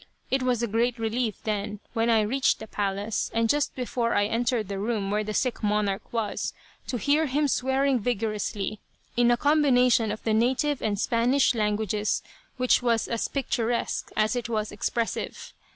It was a great relief, then, when I reached the palace, and just before I entered the room where the sick monarch was, to hear him swearing vigorously, in a combination of the native and Spanish languages which was as picturesque as it was expressive.